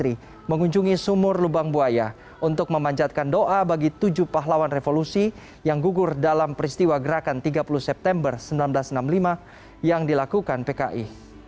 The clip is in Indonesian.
jokowi mengunjungi sumur lubang buaya untuk memanjatkan doa bagi tujuh pahlawan revolusi yang gugur dalam peristiwa gerakan tiga puluh september seribu sembilan ratus enam puluh lima yang dilakukan pki